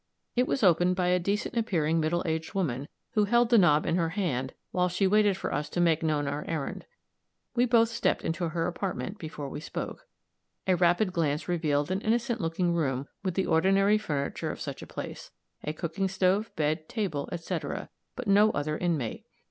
It was opened by a decent appearing middle aged woman, who held the knob in her hand while she waited for us to make known our errand; we both stepped into her apartment, before we spoke. A rapid glance revealed an innocent looking room with the ordinary furniture of such a place a cooking stove, bed, table, etc.; but no other inmate.